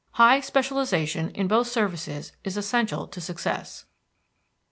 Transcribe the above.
High specialization in both services is essential to success.